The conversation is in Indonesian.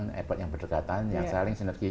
airport yang berdekatan yang saling sinergi